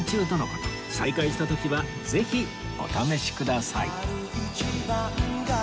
再開した時はぜひお試しください